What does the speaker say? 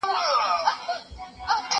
دا کښېناستل له هغه ګټورې دي،